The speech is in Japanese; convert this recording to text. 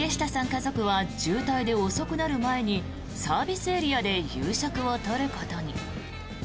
家族は渋滞で遅くなる前にサービスエリアで夕食を取ることに。